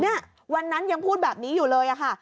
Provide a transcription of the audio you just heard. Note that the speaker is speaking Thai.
เนี่ยวันนั้นยังพูดแบบนี้อยู่เลยอะค่ะ